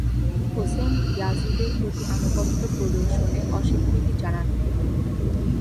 হোসাইন ইয়াজিদের প্রতি আনুগত্য প্রদর্শনে অস্বীকৃতি জানান।